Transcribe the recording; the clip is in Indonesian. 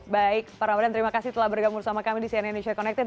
baik pak ramadan terima kasih telah bergabung sama kami di cnn indonesia connected